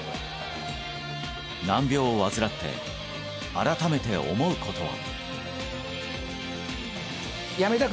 難病を患って改めて思うことは？